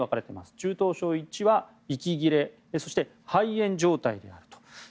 中等症１は、息切れそして肺炎状態にあると。